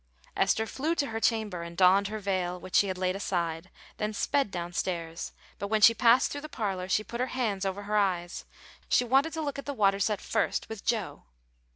Esther flew to her chamber and donned her veil, which she had laid aside, then sped down stairs; but when she passed through the parlor she put her hands over her eyes: she wanted to look at the water set first with Joe.